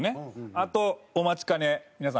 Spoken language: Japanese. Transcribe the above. あとお待ちかね皆さん